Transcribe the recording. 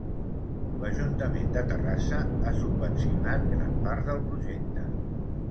L'ajuntament de Terrassa ha subvencionat gran part del projecte.